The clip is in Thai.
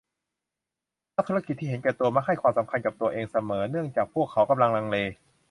นักธุรกิจที่เห็นแก่ตัวมักให้ความสำคัญกับตัวเองเสมอเนื่องจากพวกเขากำลังลังเล